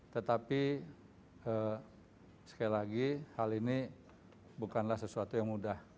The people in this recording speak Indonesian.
tetapi sekali lagi hal ini bukanlah sesuatu yang mudah